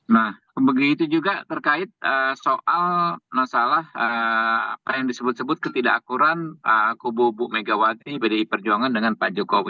nah begitu juga terkait soal masalah apa yang disebut sebut ketidakakuran kubu bu megawati bdi perjuangan dengan pak jokowi